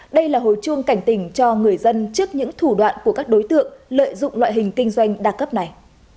đây là hồi chuông cảnh tỉnh cho người dân trước những thủ đoạn của các đối tượng lợi dụng loại hình kinh doanh đa cấp này